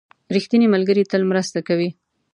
• ریښتینی ملګری تل مرسته کوي.